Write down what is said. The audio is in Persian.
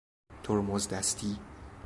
ترمز دستی